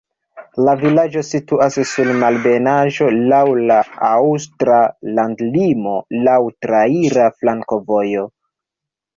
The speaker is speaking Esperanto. La vilaĝo situas sur malebenaĵo, laŭ la aŭstra landlimo, laŭ traira flankovojo.